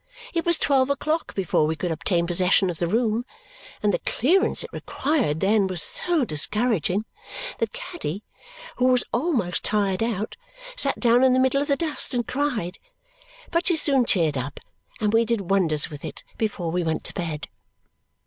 It was twelve o'clock before we could obtain possession of the room, and the clearance it required then was so discouraging that Caddy, who was almost tired out, sat down in the middle of the dust and cried. But she soon cheered up, and we did wonders with it before we went to bed.